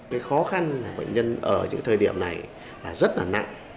cái khó khăn của bệnh nhân ở những thời điểm này là rất là nặng